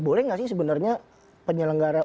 boleh nggak sih sebenarnya penyelenggara